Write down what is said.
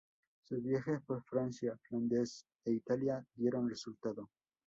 Sus viajes por Francia, Flandes e Italia dieron resultado.